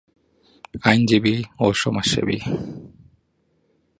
আইনজীবী ও সমাজসেবী